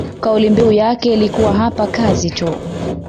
kauli mbiu yake ilikuwa hapa kazi tu